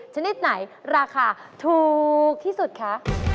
ชนิดไหนราคาถูกที่สุดคะ